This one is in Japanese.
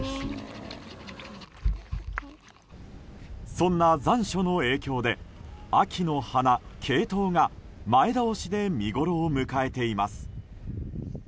そんな残暑の影響で秋の花ケイトウが前倒しで見ごろを迎えています。